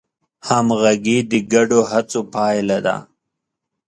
همغږي د ګډو هڅو پایله ده.